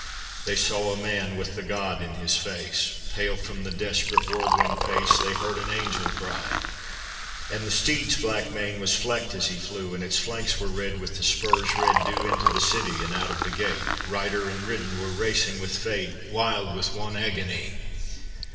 They saw a man with the God in his face, Pale from the desperate whirlwind pace, They heard an angel cry. And the steed's black mane was flecked as he flew, And its flanks were red with the spur's red dew, Into the city and out of the gate, Rider and ridden were racing with fate, Wild with one agony.